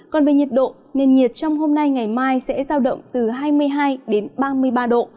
còn về nhiệt độ nền nhiệt trong hôm nay ngày mai sẽ giao động từ hai mươi hai đến ba mươi ba độ